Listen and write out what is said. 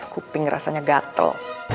kuping rasanya gatel